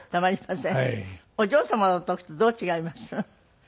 お嬢様の時とどう違います？